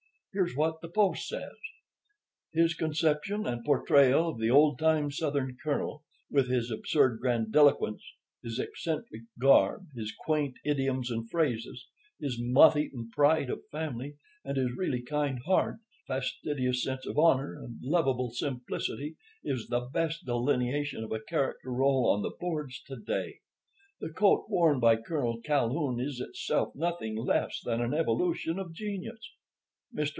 Here's what The Post says: "'His conception and portrayal of the old time Southern colonel, with his absurd grandiloquence, his eccentric garb, his quaint idioms and phrases, his motheaten pride of family, and his really kind heart, fastidious sense of honor, and lovable simplicity, is the best delineation of a character role on the boards to day. The coat worn by Colonel Calhoun is itself nothing less than an evolution of genius. Mr.